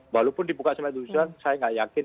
walaupun dibuka semestinya saya gak yakin